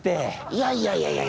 いやいやいやいや。